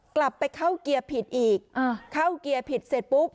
กลับไปเข้าเกียร์ผิดอีกเข้าเกียร์ผิดเสร็จปุ๊บ